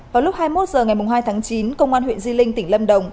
vào lúc hai mươi một h ngày hai tháng chín công an huyện di linh tỉnh lâm đồng